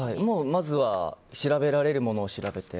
まずは調べられるものを調べて。